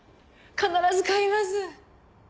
必ず買います！